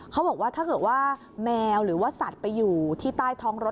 เขาบอกว่าถ้าเกิดว่าแมวหรือว่าสัตว์ไปอยู่ที่ใต้ท้องรถ